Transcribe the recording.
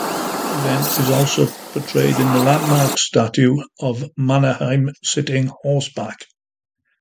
That event is also portrayed in the landmark statue of Mannerheim sitting horseback.